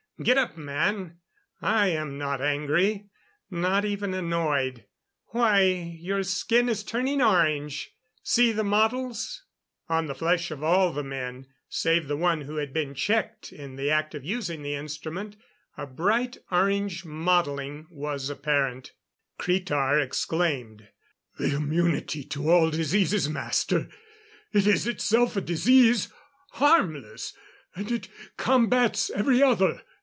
Get up, man! I am not angry not even annoyed. Why, your skin is turning orange. See the mottles!" On the flesh of all the men save the one who had been checked in the act of using the instrument a bright orange mottling was apparent. Cretar exclaimed: "The immunity to all diseases, master. It is itself a disease harmless and it combats every other."